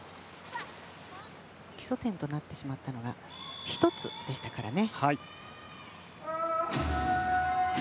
基礎点となってしまったのが１つでしたからね。